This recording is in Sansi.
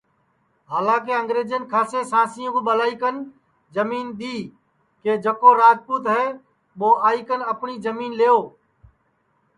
ہالا کے انگرجین کھاسے سانسیں کُو ٻلائی کن جمین دؔی کہ جکو راجپوت ہے ٻو آئی کن اپٹؔی جمین لیوئے